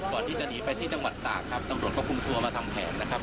ก่อนที่จะหนีไปที่จังหวัดตากครับตำรวจก็คุมตัวมาทำแผนนะครับ